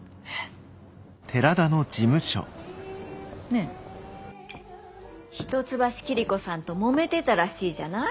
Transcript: ねえ一橋桐子さんともめてたらしいじゃない。